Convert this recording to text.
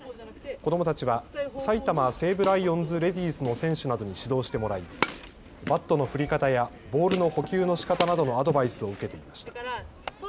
子どもたちは埼玉西武ライオンズ・レディースの選手などに指導してもらいバットの振り方やボールの捕球のしかたなどのアドバイスを受けていました。